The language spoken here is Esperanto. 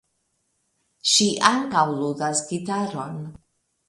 Ŝi ankaŭ ludas gitaron.